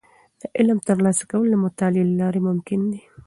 د علم ترلاسه کول د مطالعې له لارې ممکن دي.